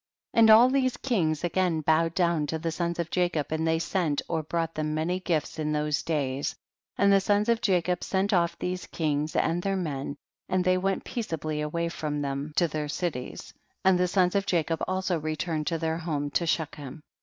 51. And all these kings again bowed down to the sons of Jacob, and they sent or brought them many gifts in those days, and the sons of Jacob sent off these kings and their men, and they went peaceably away from them to their cities, and the sons of Jacob also returned to their home, to Shechem.